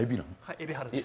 海老原です。